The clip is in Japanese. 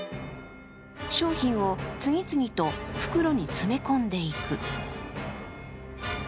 商品を次々を袋に詰め込んでいく。